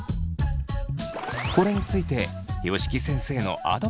これについて吉木先生のアドバイスは。